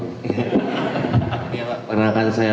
ini pak perkenalkan saya